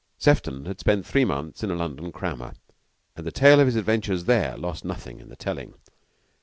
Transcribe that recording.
Sefton had spent three months with a London crammer, and the tale of his adventures there lost nothing in the telling.